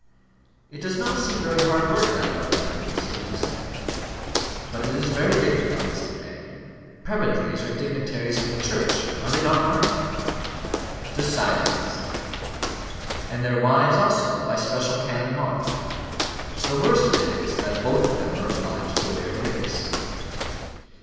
"It does not seem very hard work, that of a prebendary," said Lucy. "But it is very dignified," said Fanny. "Prebendaries are dignitaries of the Church are they not, Mark?" "Decidedly," said he; "and their wives also, by special canon law. The worst of it is that both of them are obliged to wear wigs."